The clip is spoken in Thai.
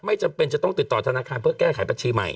จำเป็นจะต้องติดต่อธนาคารเพื่อแก้ไขบัญชีใหม่